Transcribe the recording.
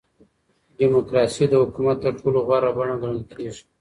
ډيموکراسي د حکومت تر ټولو غوره بڼه ګڼل کېږي.